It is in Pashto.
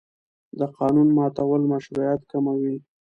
د قانون ماتول مشروعیت کموي